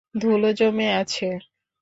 ধুলো জমে আছে।